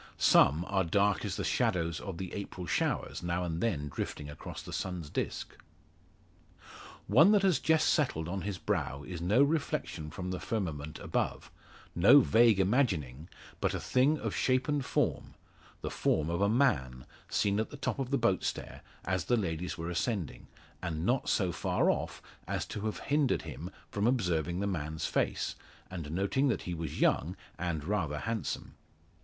Some are dark as the shadows of the April showers now and then drifting across the sun's disc. One that has just settled on his brow is no reflection from the firmament above no vague imagining but a thing of shape and form the form of a man, seen at the top of the boat stair, as the ladies were ascending, and not so far off as to have hindered him from observing the man's face, and noting that he was young, and rather handsome.